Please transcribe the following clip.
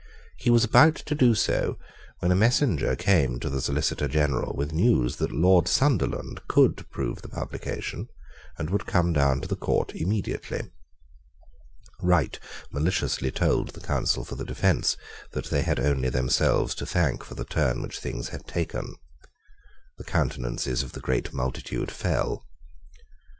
He was about to do so when a messenger came to the Solicitor General with news that Lord Sunderland could prove the publication, and would come down to the court immediately. Wright maliciously told the counsel for the defence that they had only themselves to thank for the turn which things had taken. The countenances of the great multitude fell.